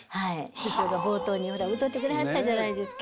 師匠が冒頭に歌うてくれはったじゃないですか。